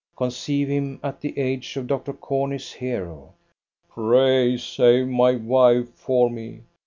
Conceive him at the age of Dr. Corney's hero: "Pray, save my wife for me.